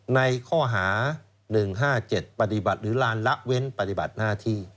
ในข้อหา๑๕๗ปฏิบัติหรือลานละเว้นปฏิบัติหน้าที่